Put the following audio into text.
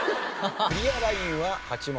クリアラインは８問。